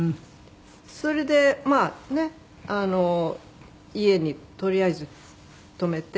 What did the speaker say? それでまあねっ家にとりあえず泊めて。